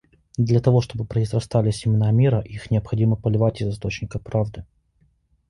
Для того чтобы произрастали семена мира, их необходимо поливать из источника правды.